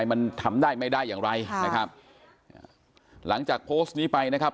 มันทำได้ไม่ได้อย่างไรนะครับหลังจากโพสต์นี้ไปนะครับ